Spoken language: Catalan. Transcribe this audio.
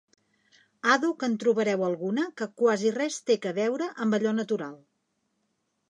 Àdhuc en trobareu alguna que quasi res té que veure amb allò natural.